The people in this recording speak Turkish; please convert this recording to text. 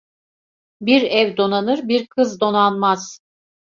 Bir ev donanır, bir kız donanmaz.